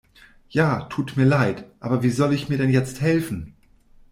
Ja, tut mir leid, aber wie soll ich mir denn jetzt helfen?